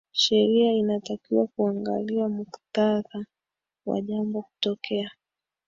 sheria inatakiwa kuangalia muktadha wa jambo kutokea